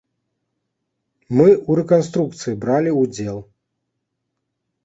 Мы ў рэканструкцыі бралі ўдзел.